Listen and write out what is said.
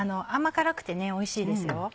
甘辛くておいしいですよ。